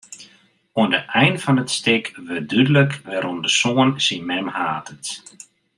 Oan de ein fan it stik wurdt dúdlik wêrom de soan syn mem hatet.